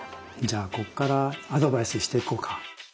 じゃあこっからアドバイスしていこうか。